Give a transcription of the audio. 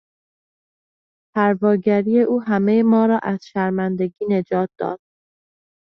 پرواگری او همهی ما را از شرمندگی نجات داد.